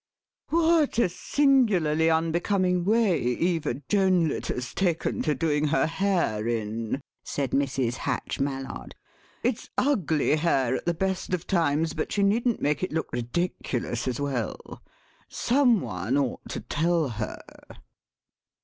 "What a singularly unbecoming way Eva Jonelet has taken to doing her hair in," said Mrs. Hatch Mallard; "it's ugly hair at the best of times, but she needn't make it look ridiculous as well. Some one ought to tell her."